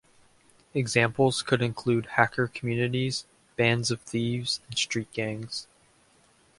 Examples could include hacker communities, bands of thieves, and street gangs.